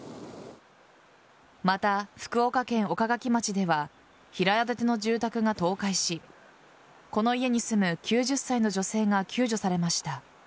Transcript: また、福岡県岡垣町では平屋建ての住宅が倒壊しこの家に住む９０歳の女性が救助されました。